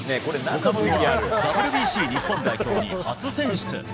岡本はＷＢＣ日本代表に初選出。